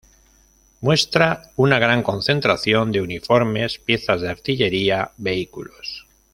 Muestra una gran concentración de uniformes, piezas de artillería, vehículos.